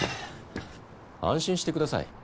安心してください。